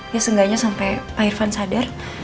ya seenggaknya sampai pak irfan sadar